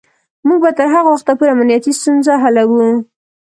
موږ به تر هغه وخته پورې امنیتی ستونزې حلوو.